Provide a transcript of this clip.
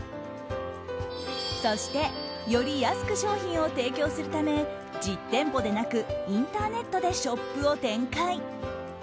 そしてより安く商品を提供するため実店舗でなくインターネットでショップを展開。